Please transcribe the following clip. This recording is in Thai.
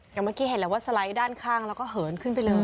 อย่างเมื่อกี้เห็นแล้วว่าสไลด์ด้านข้างแล้วก็เหินขึ้นไปเลย